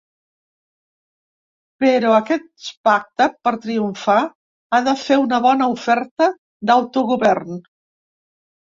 Però aquest pacte, per triomfar, ha de fer una bona oferta d’autogovern.